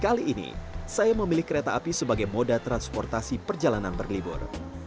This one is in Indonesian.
kali ini saya memilih kereta api sebagai moda transportasi perjalanan berlibur